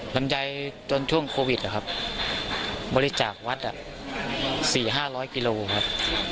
ลำใจตอนช่วงโควิดบริจาควัฒน์สี่ห้าร้อยกิโลครับ